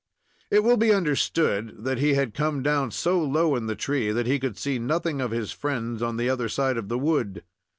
It will be understood that he had come down so low in the tree that he could see nothing of his friends on the other side of the wood.